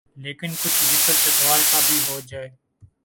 لیکن کچھ ذکر چکوال کا بھی ہو جائے۔